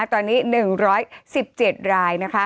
ตอนนี้๑๑๗ราย